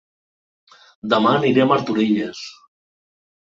Dema aniré a Martorelles